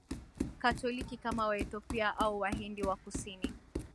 Katoliki kama Waethiopia au Wahindi wa Kusini